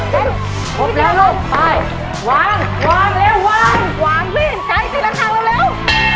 พร้อมแล้วลูกไปวางวางเร็ววางวางวิ่งใกล้๑๐อันทางเร็ว